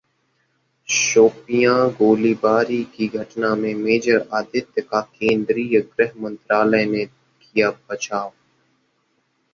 शोपियां गोलीबारी की घटना में मेजर आदित्य का केंद्रीय गृह मंत्रालय ने किया बचाव